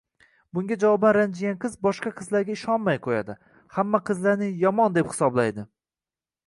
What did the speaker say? Bunga javoban ranjigan qiz boshqa qizlarga ishonmay qo‘yadi, hamma qizlarni yomon, deb hisoblaydi.